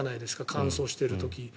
乾燥している時。